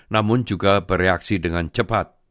namun juga bereaksi dengan cepat